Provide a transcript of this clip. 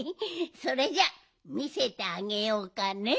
それじゃあみせてあげようかねえ。